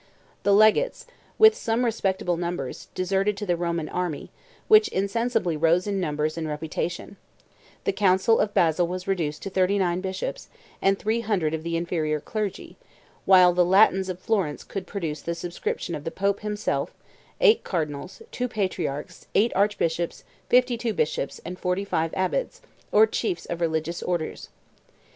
The legates, with some respectable members, deserted to the Roman army, which insensibly rose in numbers and reputation; the council of Basil was reduced to thirty nine bishops, and three hundred of the inferior clergy; 62 while the Latins of Florence could produce the subscriptions of the pope himself, eight cardinals, two patriarchs, eight archbishops, fifty two bishops, and forty five abbots, or chiefs of religious orders.